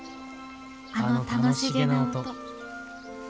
あの楽しげな音。